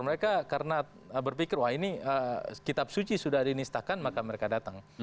mereka karena berpikir wah ini kitab suci sudah dinistakan maka mereka datang